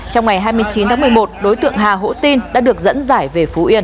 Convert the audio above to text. trong ngày hai mươi chín tháng một mươi một đối tượng hà hỗ tin đã được dẫn giải về phú yên